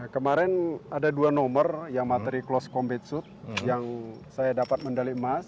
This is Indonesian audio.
kemarin ada dua nomor yang materi close combat suit yang saya dapat mendali emas